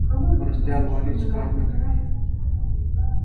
مرستیال والي څه کارونه کوي؟